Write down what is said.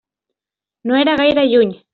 No era gaire lluny.